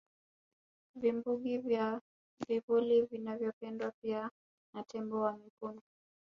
Vibungi vya vivuli vinavyopendwa pia na tembo wa Mikumi